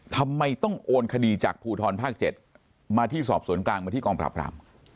ทำไมต้องโอนคดีจากภูทรภาค๗มาที่สอบสวนกลางมาที่กองปราบราม